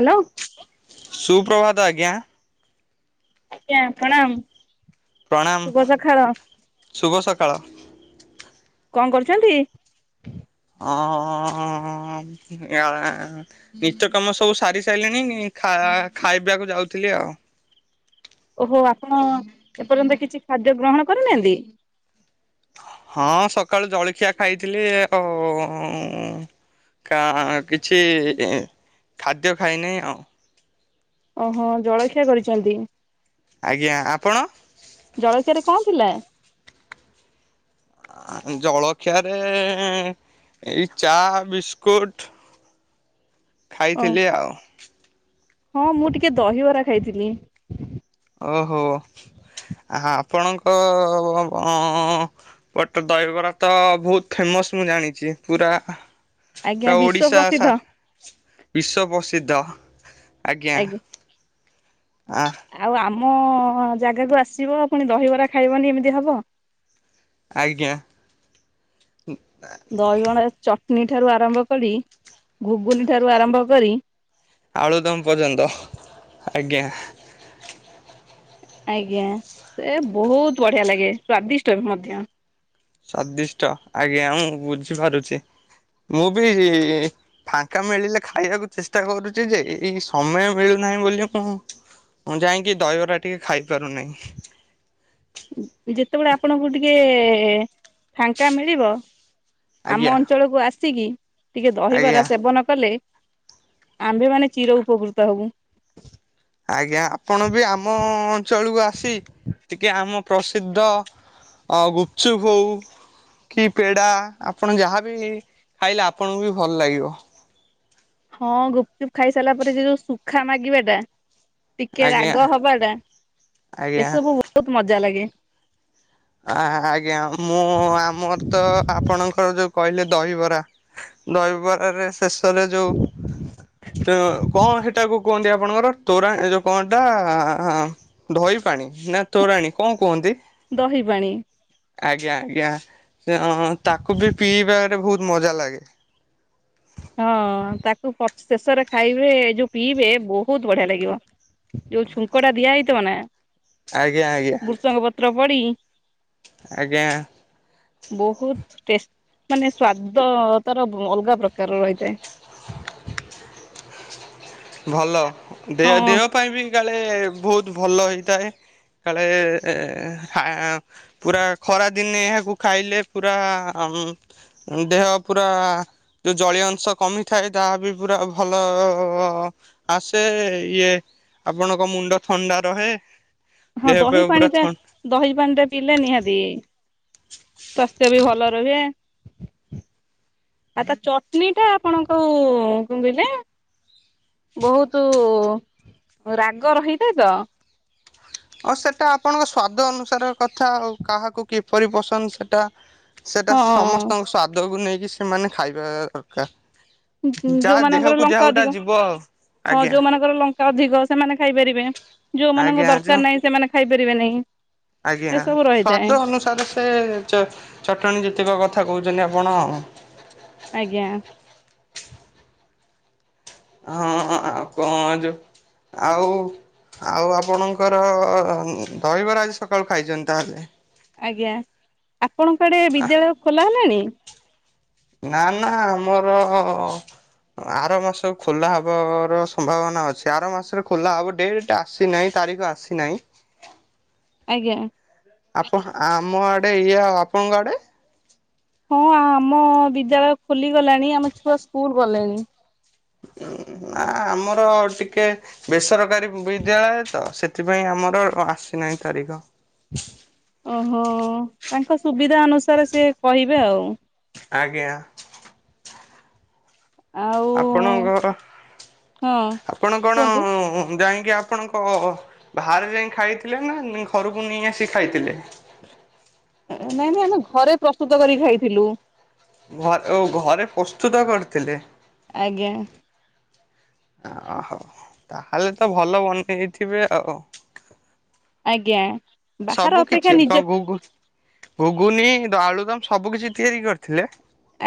Hello. ସୁପ୍ରଭାତ ଆଜ୍ଞା। ଆଜ୍ଞା ପ୍ରଣାମ। ଶୁଭ ପ୍ରଣାମ। ସକାଳ ଶୁଭ ସକାଳ। କଣ କରୁଛନ୍ତି? ଓଁ ଉଁ ୟାଁ ନିତ୍ୟ କର୍ମ ସବୁ ସାରି ସାରିଲିଣି। ଖା-ଖାଇବାକୁ ଯାଉଥିଲି ଆଉ। ଓହୋ ଆପଣ ଏପର୍ଯ୍ୟନ୍ତ କିଛି ଖାଦ୍ୟ ଗ୍ରହଣ କରିନାହାନ୍ତି। ହଁ ସକାଳୁ ଜଳଖିଆ ଖାଇଥିଲି ଆଉଁ। କା କିଛି ଖାଦ୍ୟ ଖାଇନି ଆଉ। ଓହୋ ଜଳଖିଆ କରିଛନ୍ତି। ଆଜ୍ଞା ଆପଣ। ଜଳଖିଆରେ କଣ ଥିଲା? ଆଁ ଜଳଖିଆରେ ଏଇ ଚା, ବିସ୍କୁଟ୍। ଓ ଖାଇଥିଲି ଆଉ। ହଁ ମୁଁ ଟିକେ ଦହିବରା ଖାଇଥିଲି। ଓହୋ ଆଃ ଆପଣଙ୍କ ଅଁ। ପଟ ଦହିବରା ତ ବହୁତ ଫେମସ ମୁଁ ଜାଣିଛି ପୁରା। ଆଜ୍ଞା ପୁରା ବିଶ୍ଵ ଓଡ଼ିଶା ପ୍ରସିଦ୍ଧ ସା ବିଶ୍ଵ ପ୍ରସିଦ୍ଧ। ଆଜ୍ଞା ଆ ଆଉ ଆମ ଜାଗାକୁ ଆସିବ ପୁଣି ଦହିବରା ଖାଇବନି ଏମିତି ହବ। ଆଜ୍ଞା। ହୁଁ ଆ ଦହି ବଣ ଏ ଚଟଣି ଠାରୁ ଆରମ୍ଭ କରି ଘୁଗୁନି ଠାରୁ ଆରମ୍ଭ କରି। ଆଳୁଦମ୍ ପର୍ଯ୍ୟନ୍ତ ଆଜ୍ଞା। ଆଜ୍ଞା ସେ ବହୁତ ବଢିଆ ଲାଗେ ସ୍ଵାଦିଷ୍ଟ ମଧ୍ୟ। ସ୍ଵାଦିଷ୍ଟ ଆଜ୍ଞା ମୁଁ ବୁଝିପାରୁଛି ମୁଁ ବି। ଫାଙ୍କା ମିଳିଲେ ଖାଇବାକୁ ଚେଷ୍ଟା କରୁଛି ଯେ ଏଇ ସମୟ ମିଳୁନାହିଁ ବୋଲି ମୁଁ। ମୁଁ ଯାଇକି ଦହିବରା ଟିକେ ଖାଇପାରୁନି। ଉଁ ଯେତେବେଳେ ଆପଣଙ୍କୁ ଟିକେ ଫାଙ୍କା ମିଳିବ। ଆମ ଆଜ୍ଞା ଅଞ୍ଚଳକୁ ଆସିକି ଟିକେ ଆଜ୍ଞା ଦହିବରା ସେବନ କଲେ। ଆମ୍ଭେ ମାନେ ଚୀର ଉପକୃତ ହବୁ। ଆଜ୍ଞା ଆପଣ ବି ଆମ ଅଞ୍ଚଳକୁ ଆସି ଟିକେ ଆମ ପ୍ରସିଦ୍ଧ। ଅ ଗୁପଚୁପ ହଉ। କି ପେଡ଼ା ଆପଣ ଯାହା ବି ଖାଇଲେ ଆପଣଙ୍କୁ ବି ଭଲ ଲାଗିବ। ହଁ ଗୁପଚୁପ ଖାଇ ସାରିଲା ପରେ ସେ ଯୋଉ ଶୁଖା ମାଗିବା ଟା। ଟିକେ ଆଜ୍ଞା ରାଗ ହବା ଟା ଆଜ୍ଞା। ଏସବୁ ବହୁତ ମଜା ଲାଗେ। ଆ-ଆଜ୍ଞା ମୁଁ ଆମର ତ ଆପଣଙ୍କର ଯୋଉ କହିଲେ ଦହିବରା। ଦହିବରାରେ ଶେଷରେ ଯୋଉ [unintelligible] କଣ ସେଟାକୁ କୁହନ୍ତି ଆପଣଙ୍କର ତୋରା ଏ ଯୋଉ କଣଟା? ଦହି ପାଣି ନା ତୋରାଣୀ କଣ କୁହନ୍ତି? ଦହି ପାଣି। ଆଜ୍ଞା ଆଜ୍ଞା ଅଁ ତାକୁ ବି ପିଇବାରେ ବହୁତ ମଜା ଲାଗେ। ହଁ ତାକୁ ପ ଶେଷରେ ଖାଇବେ ଯୋଉ ପିଇବେ ବହୁତ ବଢିଆ ଲାଗିବ। ଯୋଉ ଛୁଙ୍କ ଟା ଦିଆ ହେଇଥିବ ନା। ଆଜ୍ଞା ଆଜ୍ଞା। ବୃଷଙ୍ଗ ପତ୍ର ପଡ଼ିକି ଆଜ୍ଞା। ବହୁତ ଟେସ୍ ମାନେ ସ୍ଵାଦ ତାର ବ ଅଲଗା ପ୍ରକ କାର ରହିଥାଏ। ଭଲ ଦେହ ହଁ ଦେହ ପାଇଁ ବି କାଳେ ବହୁତ ଭଲ ହେଇଥାଏ। କାଳେ ଏଁ ହାଁ ପୁରା ଖରାଦିନେ ଏହାକୁ ଖାଇଲେ ପୁରା ଅଅମ୍ ଉଁ ଦେହ ପୁରା ଯୋଉ ଜଳୀୟ ଅଂଶ କମିଥାଏ ତାହା ବି ପୁରା ଭଲ ଅ ଅ ଆସେ ଇଏ ଆପଣଙ୍କ ମୁଣ୍ଡ ଥଣ୍ଡା ରହେ। ହଁ ଦେହ ଦହି ପେହ ପାଣି ପୁରା ଥ ଟା ଦହି ପାଣି ଟା ପିଇଲେ ନିହାତି ସ୍ୱାସ୍ଥ୍ୟ ବି ଭଲ ରୁହେ। ଆ ତା ଚଟଣି ଟା ଆପଣଙ୍କୁ କଂ କହିଲେ? ବହୁତୁ ରାଗ ରହିଥାଏ ତ ଅ ସେଟା ଆପଣଙ୍କ ସ୍ଵାଦ ଅନୁସାରେ କଥା ଆଉ କାହାକୁ କିପରି ପସନ୍ଦ ସେଟା ସେଟା ହଁ ସମସ୍ତଙ୍କ ସ୍ଵାଦକୁ ନେଇକି ସେମାନେ ଖାଇବା ଦରକାର। ଉଁ ହୁଁ ଯାହା ଯୋଉମାନଙ୍କର ଦେହକୁ ଲଙ୍କା ଯାଉଟା ଅଧିକ ଯିବ ଆଉ ହଁ ଆଜ୍ଞା ଯୋଉମାନଙ୍କର ଲ ଙ୍କା ଅଧିକ ସେମାନେ ଖାଇପାରିବେ ଆଜ୍ଞା ଯୋଉମାନଙ୍କ ଯ ଦରକାର ନାହିଁ ସେମାନେ ଖାଇପାରିବେ ନାହିଁ। ଆଜ୍ଞା ଏସବୁ ରହିଥାଏ ସ୍ଵାଦ ଅନୁସାରେ ସେ ଚେ ଚଟଣି ଯେତିକ କଥା କହୁଛନ୍ତି ଆପଣ ଆଉଁ। ଆଜ୍ଞା। ହଁ ଆଉ କଣ ଯେ ଆଉ ଆଉ ଆପଣଙ୍କର ଦହିବରା ଆଜି ସକାଳୁ ଖାଇଛନ୍ତି ତାହେଲେ। ଆଜ୍ଞା ଆପଣଙ୍କଆଡ଼େ ବିଦ୍ୟାଳୟ ଖୋଲା ହେଲାଣି? ନା ନା ଆମର ଆର ମାସ ଖୋଲା ହବର ସମ୍ଭାବନା ଅଛି ଆର ମାସରେ ଖୋଲା ହବ ଡେଟ ଟ୍ ଆସିନାହିଁ ତାରିଖ ଆସିନାହିଁ। ଆଜ୍ଞା। ଆପ ଆମ ଆଡେ ଇଏ ଆଉ ଆପଣଙ୍କ ଆଡେ? ହଁ ଆମ ବିଦ୍ୟାଳୟ ଖୋଲିଗଲାଣି ଆମ ଛୁଆ ସ୍କୁଲ ଗଲେଣି। ନା ଆମର ଟିକେ ବେସରକାରୀ ବିଦ୍ୟାଳୟ ତ ସେ ସେଥିପାଇଁ ଆମର ଅ ଆସିନାହିଁ ତାରିଖ। ଓହୋ ତାଙ୍କ ସୁବିଧା ଅନୁସାରେ ସେ କହିବେ ଆଉ। ଆଜ୍ଞା। ଆଉ ଆପଣଙ୍କର ହଁ ଆପଣ କଣ କୁହନ୍ତୁ। ଉ ଉଁ ଜାଇଙ୍କି ଆ ଆପଣଙ୍କ ଅ ବାହାରେ ଯାଇଁ ଖାଇଥିଲେ ନା ଅ ଘରକୁ ନେଇ ଆସି ଖାଇଥିଲେ? ନାଇଁ ନାଇଁ ଆମେ ଘରେ ପ୍ରସ୍ତୁତ କରିକି ଖାଇଥିଲୁ। ଘରେ ଓ ଘରେ ପ୍ରସ୍ତୁତ କରିଥିଲେ? ଆଜ୍ଞା। ଆହୋ ତାହେଲେ ତ ଭଲ ବନେଇଥିବେ ଆଉ। ଆଜ୍ଞା। ବାହାର ସବୁ ଅପେକ୍ଷା କିଛି ନିଜ କଣ ଘୁଗୁ ଘୁଗୁନି ଦ ଆଳୁଦମ ସବୁ କିଛି ତିଆରି କରିଥିଲେ।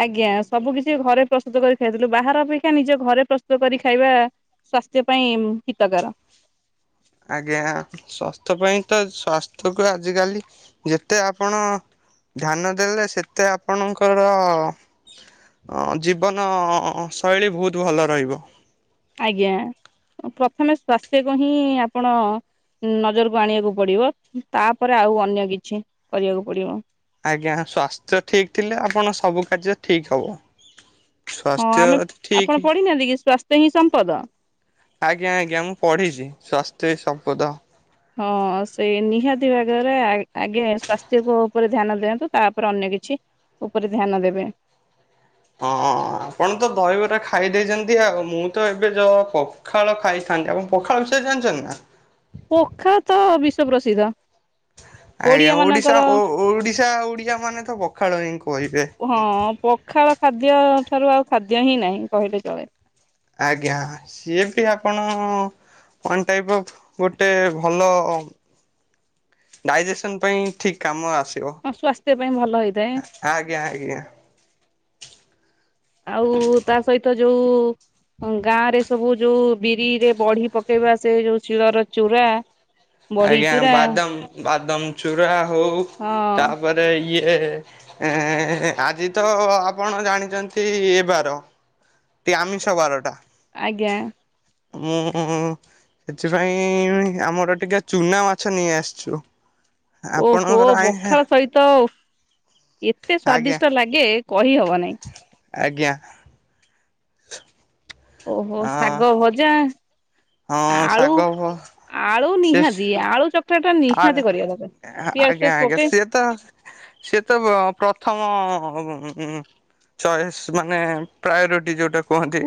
ଆଜ୍ଞା ସବୁ କିଛି ଘରେ ପ୍ରସ୍ତୁତ କରି ଖାଇଥିଲୁ ବାହାର ଅପେକ୍ଷା ନିଜ ଘରେ ପ୍ରସ୍ତୁତ କରି ଖାଇବା ସ୍ୱାସ୍ଥ୍ୟ ପାଇଁ ହିତକାର। ଆଜ୍ଞା ସ୍ୱାସ୍ଥ୍ୟ ପାଇଁ ତ ସ୍ଵାସ୍ଥ୍ୟକୁ ଆଜିକାଲି ଯେତେ ଆପଣ ଧ୍ୟାନ ଦେବେ ସେତେ ଆପଣଙ୍କର ଜୀବନ ଶୈଳୀ ବହୁତ ଭଲ ରହିବ। ଆଜ୍ଞା ପ୍ରଥମେ ସ୍ୱାସ୍ଥ୍ୟକୁ ହିଁ ଆପଣ ନଜରକୁ ଆଣିବାକୁ ପଡିବ ତାପରେ ଆଉ ଅନ୍ୟ କିଛି କରିବାକୁ ପଡିବ। ଆଜ୍ଞା ସ୍ୱାସ୍ଥ୍ୟ ଠିକ୍ ଥିଲେ ଆପଣ ସବୁ କାର୍ଯ୍ୟ ଠିକ୍ ହେବ। ହଁ ଆମେ ଆପଣ ପଢିନାହାନ୍ତି କି ସ୍ୱାସ୍ଥ ହିଁ ସମ୍ପଦ। ଆଜ୍ଞା ଆଜ୍ଞା ମୁଁ ପଢିଛି ସ୍ଵାସ୍ଥ୍ୟ ହିଁ ସମ୍ପଦ। ହଁ ସେଇ ନିହାତି ଭାଗରେ ଆଗେ ସ୍ୱାସ୍ଥ୍ୟ ଉପରେ ଧ୍ୟାନ ଦିଅନ୍ତୁ। ତାପରେ ଅନ୍ୟ କିଛି ଉପରେ ଧ୍ୟାନ ଦେବେ। ହଁ ଆପଣ ତ ଦହିବରା ଖାଇ ଦେଇେଛନ୍ତି ଆଉ ମୁଁ ତ ଏବେ ଯ ପଖାଳ ଖାଇଥାନ୍ତି ଆପଣ ପଖାଳ ବିଷୟରେ ଜାଣିଛନ୍ତି ନା? ପଖାଳ ତ ବିଶ୍ଵ ପ୍ରସିଦ୍ଧ। ଆଜ୍ଞା ଓଡିଆ ଓଡିଶା ମାନଙ୍କର ଓଡିଶା ଓଡିଆ ମାନେ ତ ପଖାଳ ହିଁ କହିବେ। ହଁ ପଖାଳ ଖାଦ୍ୟ ଠାରୁ ଆଉ ଖାଦ୍ୟ ହିଁ ନାହିଁ କହିଲେ ଚଳେ। ଆଜ୍ଞା ସିଏ ବି ଆପଣ ୱାନ ଟାଇପ୍ ର ଗୋଟେ ଭଲ ଡାଇଜେସନ୍ ପାଇଁ ଠିକ୍ କାମ ଆସିବ। ହଁ ସ୍ୱାସ୍ଥ୍ୟ ପାଇଁ ଭଲ ହେଇଥାଏ ଆଜ୍ଞା ଆଜ୍ଞା। ଆଉ ତା ସହିତ ଯୋଉ ଗାଁ ରେ ସବୁ ଯୋଉ ବିରିରେ ବଢି ପକେଇବା ସେ ଯୋଉ ଶିଳର ଚୁରା ବଢି ଆଜ୍ଞା ଚୁରା ବାଦାମ ବାଦାମ ଚୁରା ହଉ ତା ହଁ ତାପରେ ଇଏ ଆଜି ତ ଆପଣ ଜାଣିଛନ୍ତି ଏ ବାର ଆମିଷ ବାରଟା। ଆଜ୍ଞା। ହୁଁ। ସେଥିପାଇଁ ଆମର ଟିକେ ଚୁନା ମାଛ ନେଇ ଆସିଛୁ। ଓହୋ ଆପଣଙ୍କର ଆଇ ପଖାଳ ସହିତ ଏତେ ଆଜ୍ଞା ସ୍ଵାଦିଷ୍ଟ ଲାଗେ କହିହବ ନାଇଁ। ଆଜ୍ଞା। ଓହୋ ଅ ଶାଗ ଭଜା ହଁ ଆଳୁ ଶାଗ ଆଳୁ ସେ ନିହାତି ଆଳୁ ଚ କଟା ଟା ଆଳ ନିହାତି କରିବା ଦରକାର ପିଆଜ ଆଜ୍ଞା ଫିଆଜ ଆଜ୍ଞା ପକେଇ ସିଏ ତ ସେ ତ ପ୍ରଥମ ଉଁ ଉଁ ଚଏସ୍ ମାନେ ପ୍ରାୟୋରିଟି ଯେଉଁଟା କୁହନ୍ତି।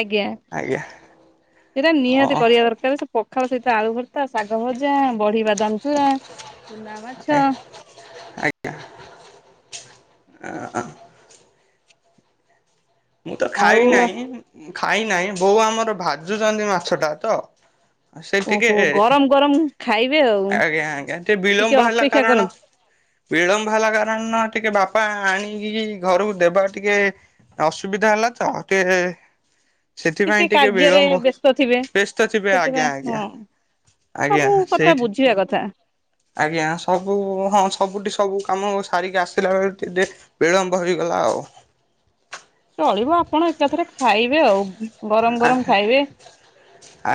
ଆଜ୍ଞା ଆଜ୍ଞା ସେଇଟା ନିହାତି ହଁ କରିବା ଦରକାର। ହେଲେ ସେ ପଖାଳ ସହିତ ଆଳୁ ଭର୍ତ୍ତା ଶାଗ ଭଜା ବଢି ବାଦାମ ଚୁରା ଚୁନା ମାଛ ଆଜ୍ଞା। ଆ ହ ମୁଁ ତ ଆଉ ଖାଇ ନାହିଁ ଖାଇ ନାହିଁ ବୋଉ ଆମର ଭାଜୁଛନ୍ତି ମାଛ ଟା ତ ସେ ଟିକେ ଓହୋ ଗରମ ଗରମ ଖାଇବେ ଆଉ ଆଜ୍ଞା ଆଜ୍ଞା ଟିକେ ବିଳମ୍ବ ହେଲା ଅପେକ୍ଷା କାରଣ କରନ୍ତୁ ବିଳମ୍ବ ହେଲା କାରଣ ଟିକେ ବାପା ଆଣିକି ଘରକୁ ଦେବା ଟିକେ ଅସୁବିଧା ହେଲା ତ ଟିକେ ସେଥିପାଇଁ କିଛି ଟିକେ କାର୍ଯ୍ୟରେ ବିଳମ୍ବ ବ୍ୟସ୍ତ ଥିବେ ବ୍ୟସ୍ତ ଥିବେ ଆଜ୍ଞା ସେଥିପାଇଁ ଆଜ୍ଞା ହଁ। ଆଜ୍ଞା ସବୁ କଥା ସେଇଥି ବୁଝିବା କଥା। ଆଜ୍ଞା ସବୁ ହଁ ସବୁଠି ସବୁ କାମ ସାରିକି ଆସିଲା ବେଳେ ଟିକେ ଡେର୍ ବିଳମ୍ବ ହେଇଗଲା ଆଉ। ଚଳିବ ଆପଣ ଏକାଥରେ ଖାଇବେ ଆଉ। ଗରମ ଗରମ ଖାଇବେ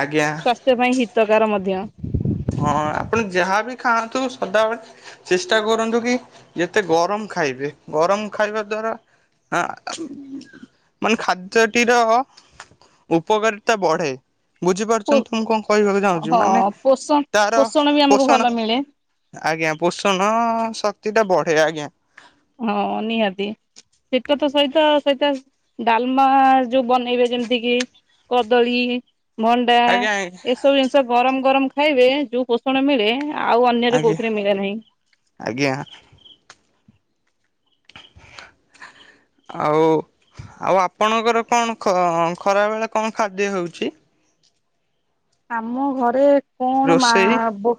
ଆଜ୍ଞା ପାଇଁ ହିତକାର ମଧ୍ୟ। ହଁ ଆପଣ ଯାହାବି ଖାଆନ୍ତୁ ସଦାବେଳେ ଚେଷ୍ଟା କରନ୍ତୁ କି ଯେତେ ଗରମ ଖାଇବେ ଗରମ ଖାଇବା ଦ୍ଵାରା ଆ ଆମ୍ ମାନେ ଖାଦ୍ୟଟିର ଉପକାରୀତା ବଢେ ପୋ ବୁଝିପାରୁଚନ୍ତି ତ ମୁଁ କଣ କହିବାକୁ ଚାହୁଁଛି ହଁ ମାନେ ପୋଷଣ ତାର ପୋଷଣ ବି ଆମକୁ ଭଲ ପୋଷଣ ମିଳେ ଆଜ୍ଞା ପୋଷଣ ଶକ୍ତି ଟା ବଢେ ଆଜ୍ଞା। ହଁ ନିହାତି। ସେଇଟା ତ ସହିତ ସହିତ ଡାଲମା ଯୋଉ ବନେଇବେ ଯେମିତି କିି କଦଳୀ ଭଣ୍ଡା ଆଜ୍ଞା ଏସବୁ ଜିନିଷ ଗରମ ଗରମ ଖାଇବେ ଯୋଉ ପୋଷଣ ମିଳେ ଆଉ ଅନ୍ୟରେ ଆଜ୍ଞା କୋଉଥିରେ ମିଳେ ନାହିଁ। ଆଜ୍ଞା। ହା ହା ଆଉ ଆଉ ଆପଣଙ୍କର କଣ ଖ ଖରାବେଳେ କଣ ଖାଦ୍ୟ ହେଉଚି? ଆମ ଘରେ କଣ ମା ରୋଷେଇ ଵ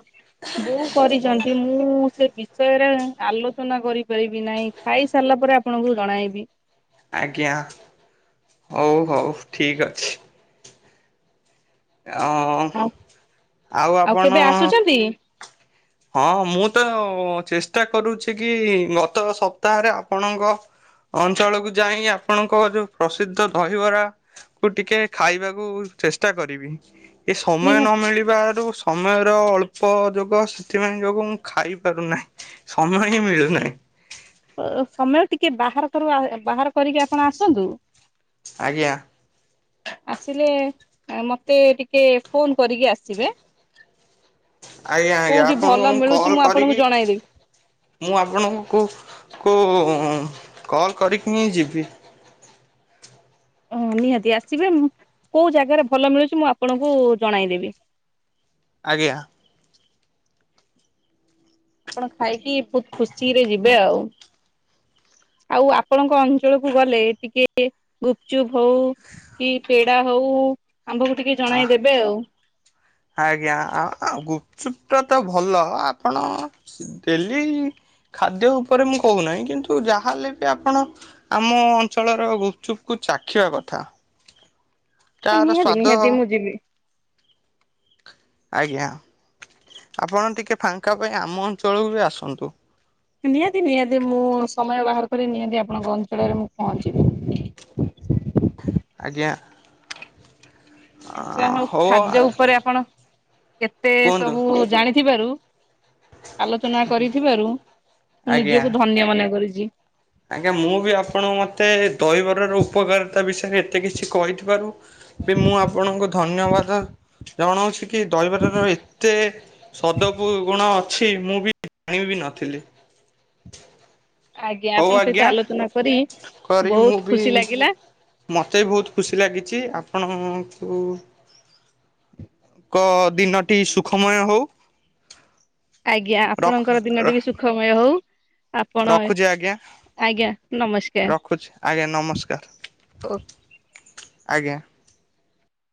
ବୋଉ କରିଚନ୍ତି ମୁଁ ସେ ବିଷୟରେ ଆଲୋଚନା କରିପାରିବି ନାହିଁ। ଖାଇ ସାରିଲା ପରେ ଆପଣଙ୍କୁ ଜଣାଇବି? ଆଜ୍ଞା ହୋଉ ହୋଉ ଠିକ୍ ଅଛି। ହଁ ଉଁ ଆଉ ଆଉ ଆପଣ କେବେ ଆସୁଛନ୍ତି ହଁ ମୁଁ ତ ଚେଷ୍ଟା କରୁଚି କି ଗତ ସପ୍ତାହରେ ଆପଣଙ୍କ ଅଞ୍ଚଳକୁୁ ଯାଇ ଆପଣଙ୍କ ଯୋଉ ପ୍ରସିଦ୍ଧ ଦହିବରା କୁ ଟିକେ ଖାଇବାକୁ ଚେଷ୍ଟା କରିବି ଏ ସମୟ ନିହା ନ ମିଳିବାରୁ ସମୟର ଅଳ୍ପ ଯୋଗ ସେଥିପାଇଁ ଯୋଗୁଁ ମୁଁ ଖାଇପାରୁନାହିଁ ସମୟ ହିଁ ମିଳୁନାହିଁ। ଅ ଅ ସମୟ ଟିକେ ବାହାର କରୁ ଆ ବାହାର କରିକି ଆପଣ ଆସନ୍ତୁ? ଆଜ୍ଞା। ଆସିଲେ ମତେ ଟିକେ ଫୋନ କରିକି ଆସିବେ? ଆଜ୍ଞା ଆଜ୍ଞା କୋଉଠି ଆପଣଙ୍କୁ ଭଲ ମୁଁ ମିଳୁଛି କଲ ଆପଣଙ୍କୁ କରିକି ଜଣାଇଦେବି। ମୁଁ ଆପଣଙ୍କୁ ଙ୍କୁ କଲ୍ କରିକି ହିଁ ଯିବି। ଓ ନିହାତି ଆସିବେ ମୁଁ କୋଉ ଜାଗାରେ ଭଲ ମିଳୁଚି ମୁଁ ଆପଣଙ୍କୁ ଜଣାଇଦେବି? ଆଜ୍ଞା। ଆପଣ ଖାଇକି ବୋହୁତ ଖୁସିରେ ଯିବେ ଆଉ। ଆଉ ଆପଣଙ୍କ ଅଞ୍ଚଳକୁ ଗଲେ ଟିକେ ଗୁପଚୁପ ହୋଉ। କି ପେଡା ହୋଉ ଆମ୍ଭକୁ ଟିକେ ଆ ଜଣେଇଦେବେ ଆଉ। ଆଜ୍ଞା ଆ ଆ ଗୁପଚୁପ୍ ଟା ତ ଭଲ ଆପଣ ଡେଲି ଖାଦ୍ୟ ଉପରେ ମୁଁ କହୁନାହିଁ କିନ୍ତୁ ଯାହାହେଲେ ବି ଆପଣ ଆମ ଅଞ୍ଚଳର ଗୁପଚୁପୁକୁ ଚାଖିବା କଥା। ହଁ ତାର ନିହାତି ସ୍ଵାଦ ନିହାତି ମୁଁ ଯିବି। ଆଜ୍ଞା ଆପଣ ଟିକେ ଫାଙ୍କା ପାଇଁ ଆମ ଅଞ୍ଚଳକୁ ବି ଆସନ୍ତୁ? ନିହାତି ନିହାତି ମୁଁ ସମୟ ବାହାର କରି ନିହାତି ଆପଣଙ୍କ ଅଞ୍ଚଳରେ ମୁଁ ପହଞ୍ଚିବି। ଆଜ୍ଞା। ଆଛା ହୋଉ ହଉ ଖାଦ୍ୟ ଉପରେ ଆପଣ କେତେ କୁହନ୍ତୁ ସବୁ ଜାଣିଥିବାରୁ ଆଲୋଚନା କରିଥିବାରୁ ମୁଁ ଆଜ୍ଞା। ନିଜକୁ ଧନ୍ୟ ମନେ କରିଚି। ଆଜ୍ଞା ମୁଁ ବି ଆପଣଙ୍କ ମ ଏତେ ଦହିବରାର ଉପକାରିତା ବିଷୟରେ ଏତେ କିଛି କହିଥିବାରୁ ବି ମୁଁ ଆପଣଙ୍କ ଧନ୍ ଧନ୍ୟବାଦ ଜଣାଉଛି କି ଦହିବାର ର ଏତେ ସଦପୁ ଗୁଣ ଅଛି ମୁଁ ବି ଜାଣିବି ନଥିଲି। ଆଜ୍ଞା ହଉ ଆପଣଙ୍କ ସହିତ ଆଜ୍ଞା ଆଲୋଚନା କରି କରି ମୁଁ ବହୁତ ବି ଖୁସି ଲାଗିଲା। ମତେ ବି ବହୁତ ଖୁସି ଲାଗିଛି ଆପଣଙ୍କୁ। କ ଦିନଟି ସୁଖମୟ ହଉ। ଆଜ୍ଞା ରଖ ଆପଣଙ୍କର ଦିନଟି ବି ସୁଖମୟ ହଉ ଆପଣ ରଖୁଛି ଆଜ୍ଞା ଆଜ୍ଞା। ନମସ୍କାର। ରଖୁଛି ଆଜ୍ଞା ନମସ୍କାର ଓ ଆଜ୍ଞା।